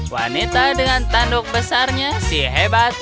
wanita dengan tanduk besarnya si hebat